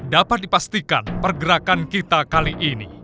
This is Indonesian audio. dapat dipastikan pergerakan kita kali ini